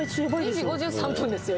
２時５３分ですよ